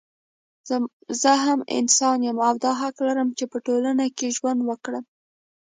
زه هم انسان يم او دا حق لرم چې په ټولنه کې ژوند وکړم